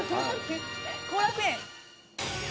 後楽園！